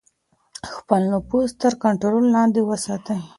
خپل نفس تر کنټرول لاندې وساتئ.